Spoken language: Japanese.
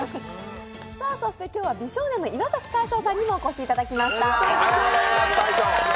今日は、美少年さんの岩崎大昇さんにもお越しいただきました。